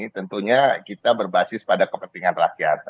tentunya kita berbasis pada kepentingan rakyat